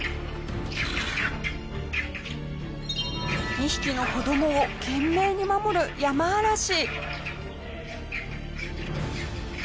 ２匹の子どもを懸命に守るヤマアラシ。